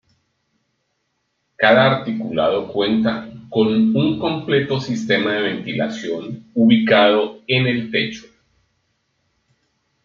Cada articulado cuenta con un completo sistema de ventilación ubicado en el techo.